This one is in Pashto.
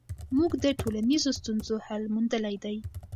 موږ د ټولنیزو ستونزو حل موندلی دی.